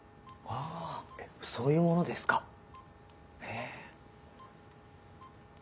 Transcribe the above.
あそういうものですかへぇ。